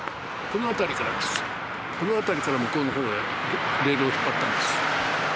この辺りから向こうの方へレールを引っ張ったんです。